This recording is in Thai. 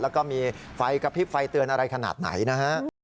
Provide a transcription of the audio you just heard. แล้วก็มีไฟกระพริบไฟเตือนอะไรขนาดไหนนะฮะ